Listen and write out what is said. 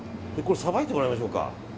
さばいてもらいましょうか。